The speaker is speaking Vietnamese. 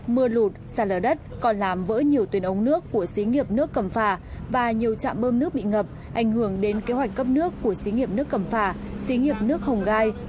mưa lụt sạt lở đất còn làm vỡ nhiều tuyến ống nước của xí nghiệp nước cầm phà và nhiều trạm bơm nước bị ngập ảnh hưởng đến kế hoạch cấp nước của xí nghiệp nước cầm phà xí nghiệp nước hồng gai